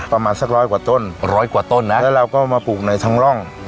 ประมาณสักร้อยกว่าต้นร้อยกว่าต้นนะแล้วเราก็มาปลูกในทั้งร่อง